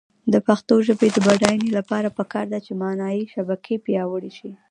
د پښتو ژبې د بډاینې لپاره پکار ده چې معنايي شبکې پیاوړې شي.